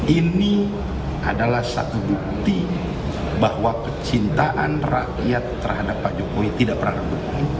ini adalah satu bukti bahwa kecintaan rakyat terhadap pak jokowi tidak pernah ada dukung